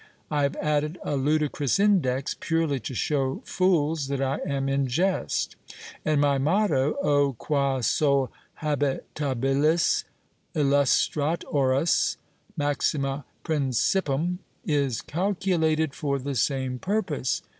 I have added a ludicrous index purely to show (fools) that I am in jest; and my motto, 'O, quÃ sol habitabiles illustrat oras, maxima principum!' is calculated for the same purpose.